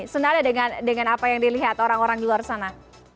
senada dengan apa yang dilihat orang orang di luar sana